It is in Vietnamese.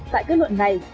tại kết luận này